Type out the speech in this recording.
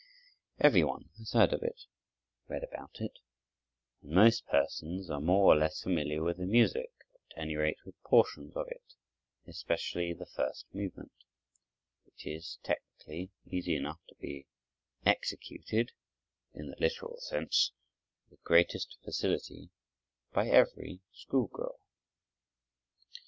Every one has heard of it, read about it, and most persons are more or less familiar with the music, or at any rate with portions of it, especially the first movement, which is, technically, easy enough to be executed, in the literal sense, with the greatest facility by every school girl.